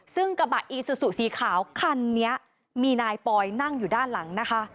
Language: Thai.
ซึ่งกระบะอีซูซูสีขาวคันนี้มีนายปอยนั่งอยู่ด้านหลังนะคะ